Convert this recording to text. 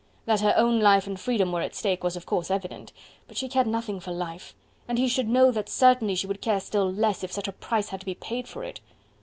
That her own life and freedom were at stake, was, of course, evident, but she cared nothing for life, and he should know that certainly she would care still less if such a price had to be paid for it.